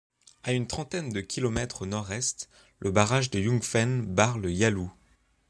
À une trentaine de kilomètres au nord-est, le barrage de Yunfeng barre le Yalou.